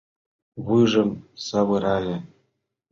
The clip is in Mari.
Вуйжым савырале.